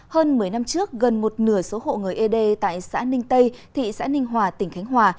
hơn một mươi năm trước gần một nửa số hộ người ế đê tại xã ninh tây thị xã ninh hòa tỉnh khánh hòa